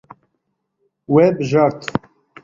We bijart.